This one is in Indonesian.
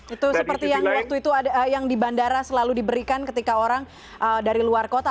itu seperti yang waktu itu yang di bandara selalu diberikan ketika orang dari luar kota